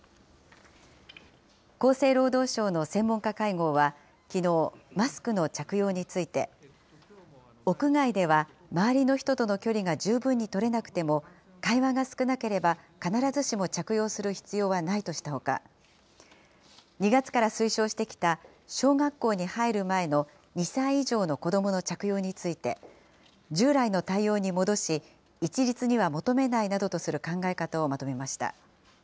厚生労働省の専門家会合は、きのう、マスクの着用について、屋外では周りの人との距離が十分に取れなくても、会話が少なければ必ずしも着用する必要はないとしたほか、２月から推奨してきた、小学校に入る前の２歳以上の子どもの着用について、従来の対応に戻し、一律には求めないなどとする考え方をまとめました。